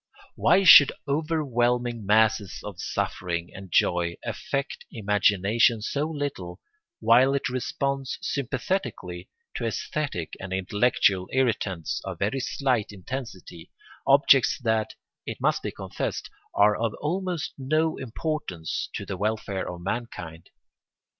Why should overwhelming masses of suffering and joy affect imagination so little while it responds sympathetically to æsthetic and intellectual irritants of very slight intensity, objects that, it must be confessed, are of almost no importance to the welfare of mankind?